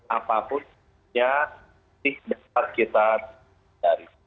apapun yang dapat kita cari